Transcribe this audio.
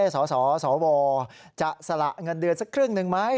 สสวจะสละเงินเดือนสักครึ่งหนึ่งไหม